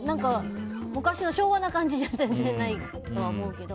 昔の昭和な感じじゃ全然ないと思うけど。